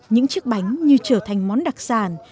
những chiếc bánh như trở thành món đặc sản